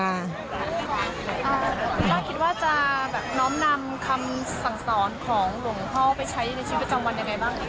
คุณป้าคิดว่าจะแบบน้อมนำคำสั่งสอนของหลวงพ่อไปใช้ในชีวิตประจำวันยังไงบ้าง